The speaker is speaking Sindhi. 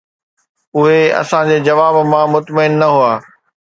اهي اسان جي جواب مان مطمئن نه هئا.